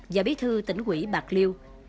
và bí thư tỉnh quỹ bạc liêu